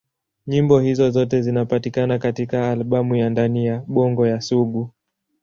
Nyimbo hizo zote zinapatikana katika albamu ya Ndani ya Bongo ya Sugu.